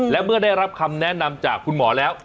และเมื่อได้รับคำแนะนำจากคุณหมอแล้ว